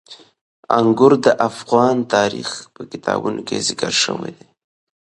انګور د افغان تاریخ په کتابونو کې ذکر شوي دي.